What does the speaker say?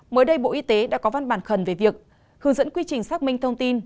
mới đây bộ y tế đã có văn bản khẩn về việc hướng dẫn quy trình xác minh thông tin